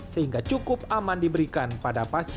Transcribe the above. sehingga cukup aman diberikan pada pasien